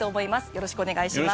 よろしくお願いします。